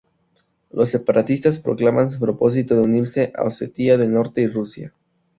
Los separatistas proclaman su propósito de unirse a Osetia del Norte y Rusia.